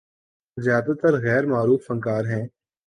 زیادہ تر غیر معروف فنکار ہیں۔